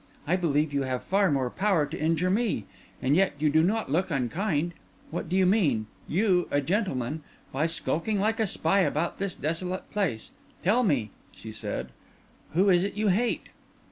I believe you have far more power to injure me! And yet you do not look unkind. What do you mean—you, a gentleman—by skulking like a spy about this desolate place? Tell me," she said, "who is it you hate?"